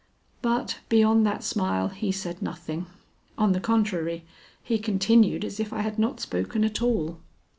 But beyond that smile he said nothing; on the contrary, he continued as if I had not spoken at all.